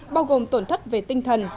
bao gồm tổn thất về tinh thần